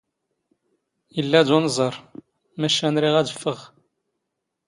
ⵉⵍⵍⴰ ⴷ ⵓⵏⵥⴰⵕ, ⵎⴰⵛⵛⴰⵏ ⵔⵉⵖ ⴰⴷ ⴼⴼⵖⵖ.